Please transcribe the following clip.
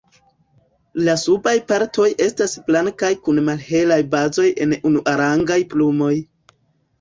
La subaj partoj estas blankaj kun malhelaj bazoj en unuarangaj plumoj.